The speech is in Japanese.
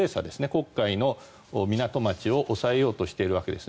黒海の港町を押さえようとしているわけです。